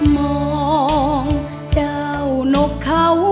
มองเจ้านกเขา